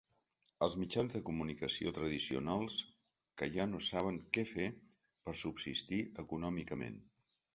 Els mitjans de comunicació tradicionals, que ja no saben què fer per subsistir econòmicament.